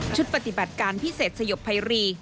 ชุดปฏิบัติการพิเศษสยบไพรี